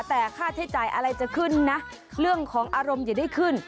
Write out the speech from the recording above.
แต่ค่าใช้จ่ายอะไรจะขึ้นนะเรื่องของอารมณ์อย่าได้ขึ้น